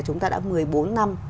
chúng ta đã một mươi bốn năm